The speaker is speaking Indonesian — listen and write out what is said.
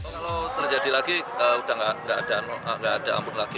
kalau terjadi lagi sudah tidak ada ampun lagi